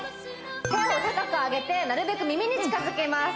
手を高く上げてなるべく耳に近づけます